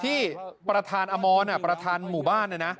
ที่ประธานอมรประธานหมู่บ้าน